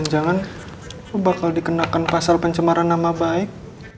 jangan jangan lo bakal dikenakan pasal pencemaran nama baik